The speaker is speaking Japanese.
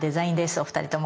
お二人とも。